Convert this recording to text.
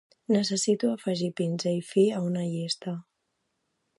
Necessito afegir pinzell fi a una llista.